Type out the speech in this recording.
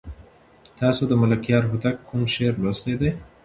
تاسو د ملکیار هوتک کوم شعر لوستی دی؟